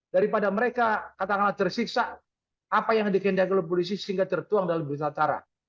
daripada mereka katakanlah tersiksa apa yang dikendaki oleh polisi sehingga tertuang dalam berita acara